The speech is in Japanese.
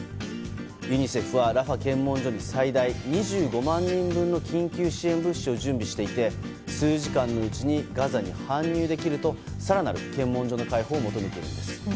ユニセフはラファ検問所に最大２５万人分の緊急支援物資を準備していて数時間のうちにガザに搬入できると更なる検問所の開放を求めているんです。